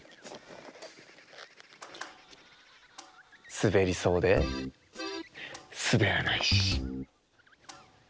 すべりそうですべらないし。